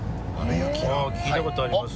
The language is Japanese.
聞いたことあります。